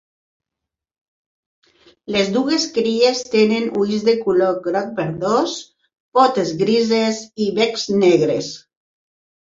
Les dues cries tenen ulls de color groc verdós, potes grises i becs negres.